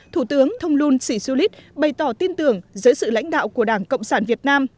thủ tướng thông luân sĩ xu lít bày tỏ tin tưởng dưới sự lãnh đạo của đảng cộng sản việt nam